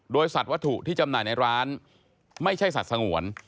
โดยสัตว์วัตถุที่จำหน่ายในร้านไม่ใช่สัตว์สงวน